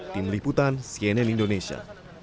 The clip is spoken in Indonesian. tim liputan cnn indonesia